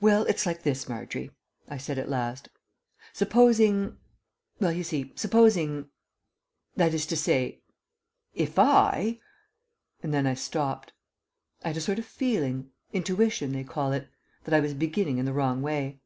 "Well, it's like this, Margery," I said at last. "Supposing well, you see, supposing that is to say, if I " and then I stopped. I had a sort of feeling intuition, they call it that I was beginning in the wrong way.